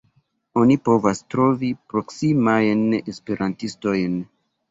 Oni povas trovi proksimajn esperantistojn.